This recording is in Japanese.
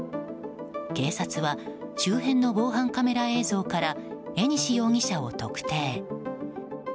警察は周辺の防犯カメラ映像から江西容疑者を特定。